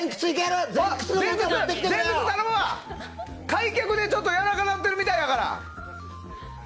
開脚でちょっとやわらかくなってるみたいやから。